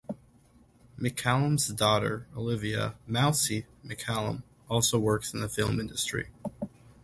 McCallum's daughter, Olivia 'Mousy' McCallum, also works in the film industry.